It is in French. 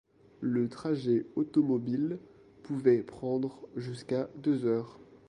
Le trajet automobile pouvait prendre jusqu'à deux heures.